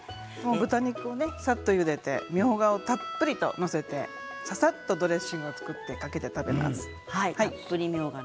豚肉をささっとゆでてみょうがをたっぷり載せてささっとドレッシングを作ってかけて食べます。